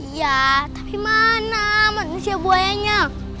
ya tapi mana manusia buayanya